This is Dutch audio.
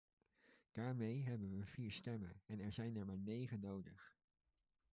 Daarmee hebben we vier stemmen, en er zijn er maar negen nodig.